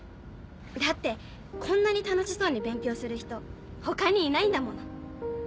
だってこんなに楽しそうに勉強する人他にいないんだもの。